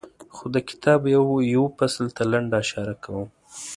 خو د کتاب یوه فصل ته لنډه اشاره کوم.